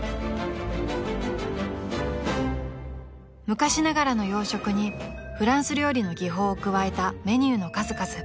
［昔ながらの洋食にフランス料理の技法を加えたメニューの数々］